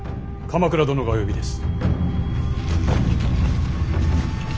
鎌倉殿がお呼びです。